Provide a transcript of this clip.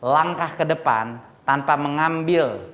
langkah ke depan tanpa mengambil